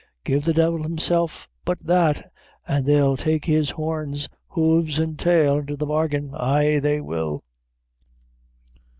Give the divil himself but that, and they'll take his horns, hooves, and tail into the bargain ay, will they."